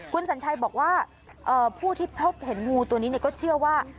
คุณสัญชัยบอกว่าผู้ที่พบเห็นงูตัวนี้ก็เชื่อว่า